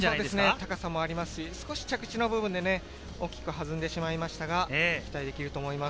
高さもありますし、少し着地の部分で大きく弾んでしまいましたが、期待できると思います。